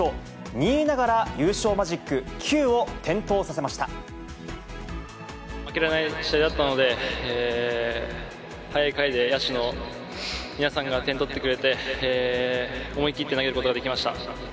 ２位ながら優勝マジック９を点灯負けられない試合だったので、早い回で野手の皆さんが点取ってくれて、思い切って投げることができました。